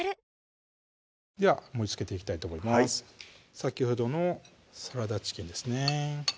先ほどのサラダチキンですね